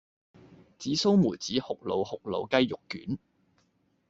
紫蘇梅子酷魯酷魯雞肉卷